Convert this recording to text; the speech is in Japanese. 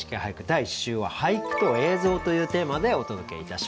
第１週は「俳句と映像」というテーマでお届けいたします。